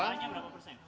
kesalahannya berapa persen